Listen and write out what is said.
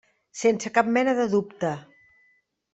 Sense cap mena de dubte.